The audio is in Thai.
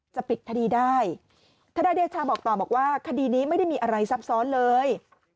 จะปิดคดีได้ทนายเดชาบอกต่อบอกว่าคดีนี้ไม่ได้มีอะไรซับซ้อนเลย